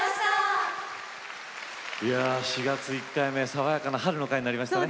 いやぁ４月１回目爽やかな春の回になりましたね。